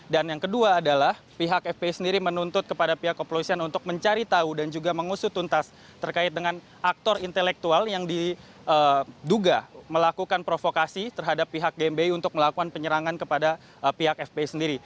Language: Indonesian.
dan yang kedua adalah pihak fpi sendiri menuntut kepada pihak komplosian untuk mencari tahu dan juga mengusut tuntas terkait dengan aktor intelektual yang diduga melakukan provokasi terhadap pihak gmbi untuk melakukan penyerangan kepada pihak fpi sendiri